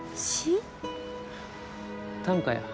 短歌や。